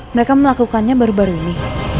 mereka melakukannya baru baru ini